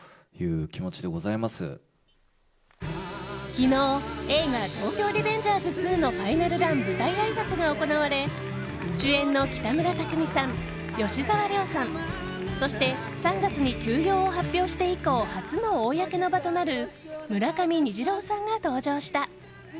昨日映画「東京リベンジャーズ２」のファイナルラン舞台あいさつが行われ主演の北村匠海さん、吉沢亮さんそして、３月に休養を発表して以降初の公の場となる村上虹郎さんが登場した。